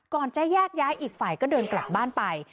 จะแยกย้ายอีกฝ่ายก็เดินกลับบ้านไป